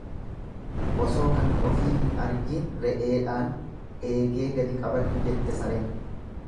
Osoo kan ofii hin argiin re'eedhaan eegee gadi qabadhu jette sareen.